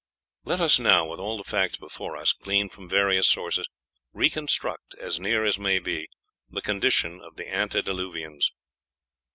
Let us now, with all the facts before us, gleaned from various sources, reconstruct, as near as may be, the condition of the antediluvians.